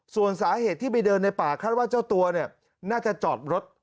ส่วนสาเหตุที่ไปเดินในป่าคือเจ้าตัวน่าจะจอดรถ